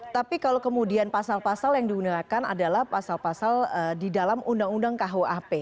tapi kalau kemudian pasal pasal yang digunakan adalah pasal pasal di dalam undang undang kuap